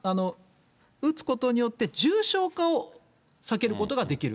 打つことによって、重症化を避けることができる。